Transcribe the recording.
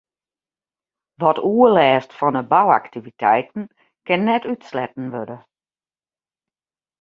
Wat oerlêst fan 'e bouaktiviteiten kin net útsletten wurde.